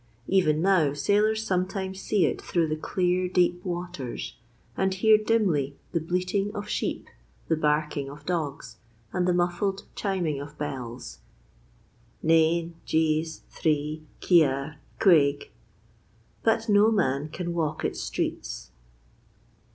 Even now sailors sometimes see it through the clear, deep waters, and hear dimly the bleating of sheep, the barking of dogs, and the muffled chiming of bells 'Nane, jees, three, kiare, queig.' But no man can walk its streets.